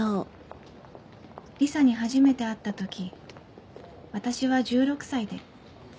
リサに初めて会った時私は１６歳で。